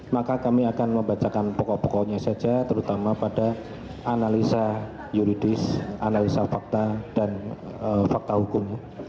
maka kami akan membacakan pokok pokoknya saja terutama pada analisa yuridis analisa fakta dan fakta hukum